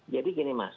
jadi gini mas